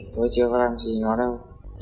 tôi chưa có làm gì với nó đâu